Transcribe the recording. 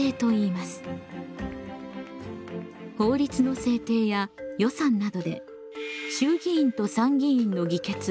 法律の制定や予算などで衆議院と参議院の議決